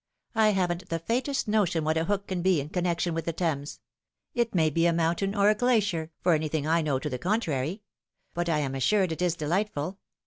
I haven't the faintest notion what a Hook can be in connection with the Thames. It may be a mountain or a glacier, for anything I know to the contrary ; but I am assured it is delightful.